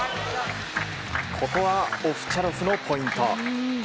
ここはオフチャロフのポイント。